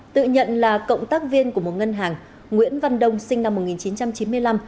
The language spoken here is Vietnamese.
tự nhận là cộng tác viên của một ngân hàng nguyễn văn đông sinh năm một nghìn chín trăm chín mươi năm